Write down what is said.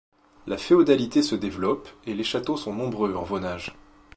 La féodalité se développe et les châteaux sont nombreux en Vaunage.